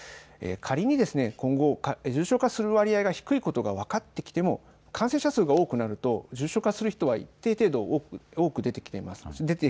仮に今後、重症化する割合が低いことが分かってきても感染者数が多くなると重症化する人が一定程度多くなります。